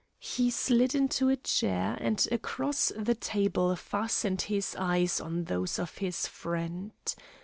He slid into a chair, and across the table fastened his eyes on those of his friend.